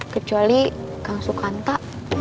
kecuali kang sukanta